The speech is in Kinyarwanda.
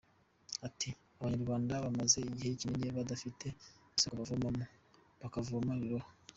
Ati” Abanyarwanda bamaze igihe kinini badafite isoko bavomaho, bakavoma ibirohwa.